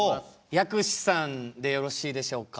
藥師さんでよろしいでしょうか？